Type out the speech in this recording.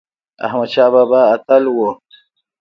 احمد شاه بابا اتل و